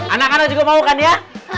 anak anak juga mau kan ya